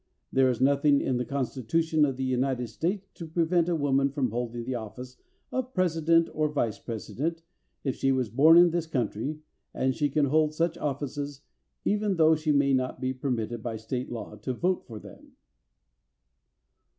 There is nothing in the Constitution of the United States to prevent a woman from holding the office of president or vice president if she was born in this country, and she can hold such offices even though she may not be permitted by State law to vote for them.